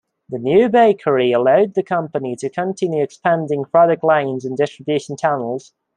The new bakery allowed the company to continue expanding product lines and distribution channels.